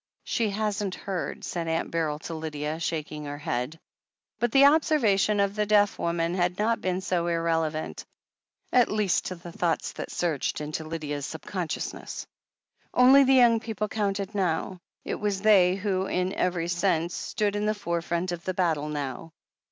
"She hasn't heard," said Aunt Beryl to Lydia, shak ing her head. But. the observation of the deaf woman had not been so irrelevant, at least to the thoughts that surged into Lydia's sub consciousness. Only the young people counted npw. It was they who, in every sense, stood in the forefront of the battle now.